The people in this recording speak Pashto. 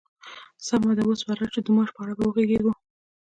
سمه ده، اوس به راشو د معاش په اړه به وغږيږو!